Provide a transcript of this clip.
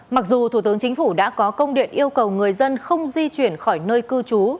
mặc dù thủ tướng chính phủ đã có công điện yêu cầu người dân không di chuyển khỏi nơi cư trú